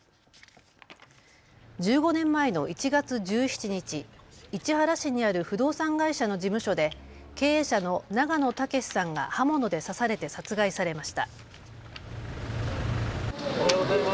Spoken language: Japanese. １５年前の１月１７日、市原市にある不動産会社の事務所で経営者の永野武さんが刃物で刺されて殺害されました。